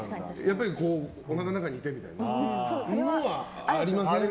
おなかの中にいてみたいなっていうのはありません？